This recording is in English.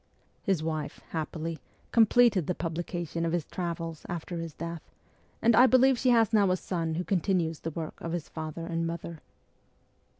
His wife, happily, com pleted the publication of his ' Travels ' after his death, and I believe she has now a son who continues the work of his father and mother.